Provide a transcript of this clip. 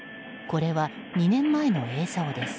これは２年前の映像です。